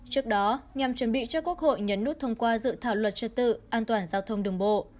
trước đó nhằm chuẩn bị cho quốc hội nhấn nút thông qua dự thảo luật trật tự an toàn giao thông đường bộ